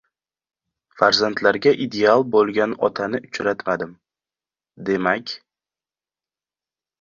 Farzandlariga ideal bo‘lgan otani uchratmadim; demak